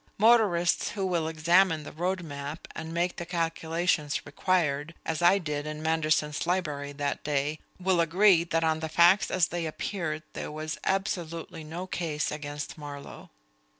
Motorists who will examine the road map and make the calculations required, as I did in Manderson's library that day, will agree that on the facts as they appeared there was absolutely no case against Marlowe.